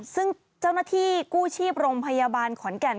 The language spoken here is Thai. ซึ่งเจ้าหน้าที่กู้ชีพโรงพยาบาลขอนแก่น